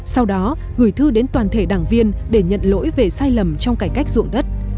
sau đó gửi thư đến toàn thể đảng viên để nhận lỗi về sai lầm trong cải cách ruộng đất